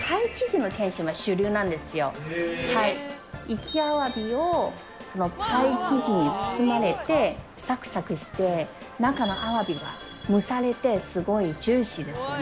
生きアワビをパイ生地に包まれてサクサクして中のアワビが蒸されてすごいジューシーですよね。